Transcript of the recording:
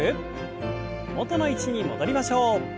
元の位置に戻りましょう。